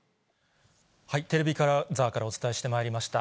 テレビ金沢からお伝えしてまいりました。